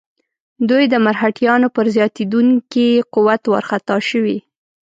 دوی د مرهټیانو پر زیاتېدونکي قوت وارخطا شوي.